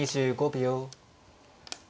２５秒。